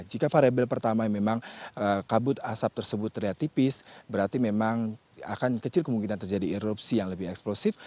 jika variable pertama memang kabut asap tersebut terlihat tipis berarti memang akan kecil kemungkinan terjadi erupsi yang lebih eksplosif